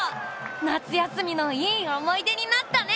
夏休みのいい思い出になったね。